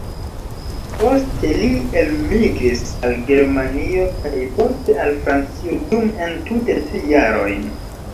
Poste li elmigris al Germanio kaj poste al Francio, dum entute tri jarojn.